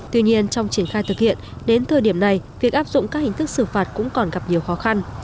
tuy nhiên trong triển khai thực hiện đến thời điểm này việc áp dụng các hình thức xử phạt cũng còn gặp nhiều khó khăn